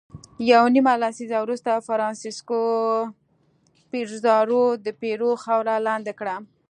یوه نیمه لسیزه وروسته فرانسیسکو پیزارو د پیرو خاوره لاندې کړه.